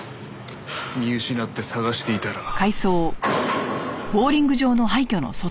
見失って捜していたら。